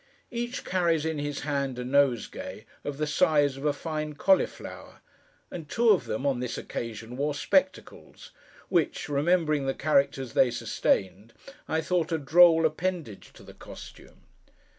Each carries in his hand, a nosegay, of the size of a fine cauliflower; and two of them, on this occasion, wore spectacles; which, remembering the characters they sustained, I thought a droll appendage to the costume.